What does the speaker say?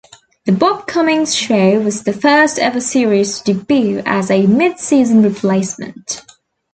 "The Bob Cummings Show" was the first-ever series to debut as a midseason replacement.